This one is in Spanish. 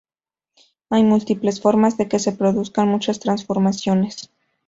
Hay múltiples formas de que se produzcan muchas transformaciones.